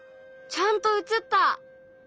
ちゃんと映った！